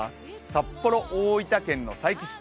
札幌、大分県の佐伯市